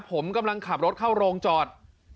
ผมกำลังขับรถเข้าโรงจอด